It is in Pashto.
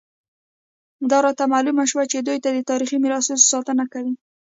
دا راته معلومه شوه چې دوی د تاریخي میراثونو ساتنه کوي.